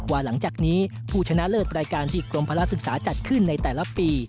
หลังจากนี้ผู้ชนะเลิศรายการที่กรมภาระศึกษาจัดขึ้นในแต่ละปี